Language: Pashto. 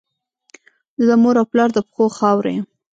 زه د مور او پلار د پښو خاوره یم.